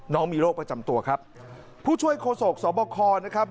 น้องมีโรคประจำตัวครับผู้ช่วยโฆษกสบคนะครับ